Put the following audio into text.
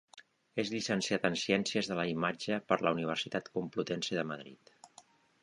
És llicenciat en Ciències de la Imatge per la Universitat Complutense de Madrid.